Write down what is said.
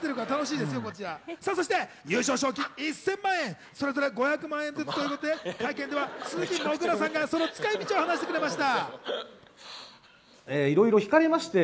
そして優勝賞金１０００万円、それぞれ５００万円ずつということで、会見では鈴木もぐらさんがその使い道を話していました。